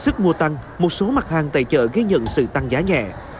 sức mua tăng một số mặt hàng tại chợ ghi nhận sự tăng giá nhẹ